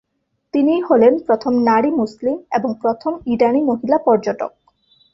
তিনিই হলেন প্রথম নারী মুসলিম, এবং প্রথম ইরানী মহিলা পর্যটক।